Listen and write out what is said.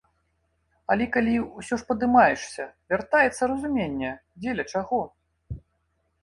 Але калі ўсё ж падымаешся, вяртаецца разуменне, дзеля чаго?